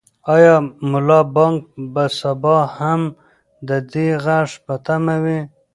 آیا ملا بانګ به سبا هم د دې غږ په تمه وي؟